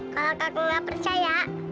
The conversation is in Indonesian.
kalo kakak gak percaya